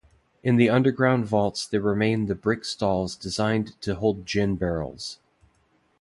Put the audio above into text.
In the underground vaults there remain the brick stalls designed to hold gin barrels.